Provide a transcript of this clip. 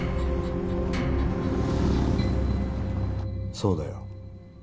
そうだよ。